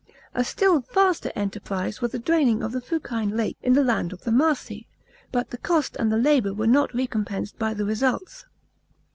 A still vaster enterprise was the draining of the Fuciue Lake in the land of the Mar si, but the cost and the labour were not recompensed by the results.